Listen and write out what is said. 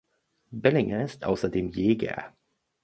Bellinger ist außerdem Jäger.